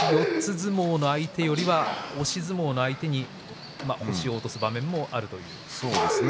相撲の相手よりは押し相撲の相手に星を落とす場面もありました。